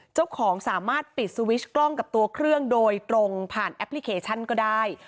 สามารถปิดสวิชกล้องกับตัวเครื่องโดยตรงผ่านแอปพลิเคชันก็ได้